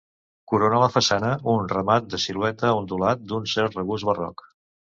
Corona la façana un remat de silueta ondulant d'un cert regust barroc.